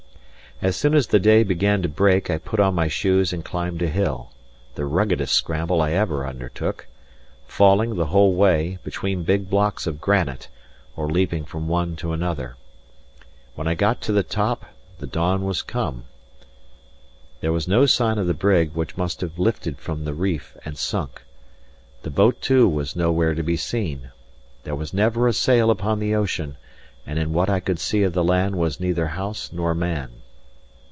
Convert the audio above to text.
As soon as the day began to break I put on my shoes and climbed a hill the ruggedest scramble I ever undertook falling, the whole way, between big blocks of granite, or leaping from one to another. When I got to the top the dawn was come. There was no sign of the brig, which must have lifted from the reef and sunk. The boat, too, was nowhere to be seen. There was never a sail upon the ocean; and in what I could see of the land was neither house nor man.